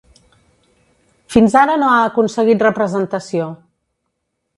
Fins ara no ha aconseguit representació.